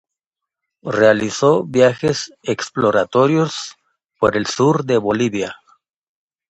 Realizó viajes exploratorios, por el sur de Bolivia.